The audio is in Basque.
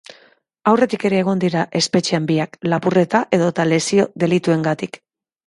Aurretik ere egon dira espetxean biak, lapurreta edota lesio delituengatik.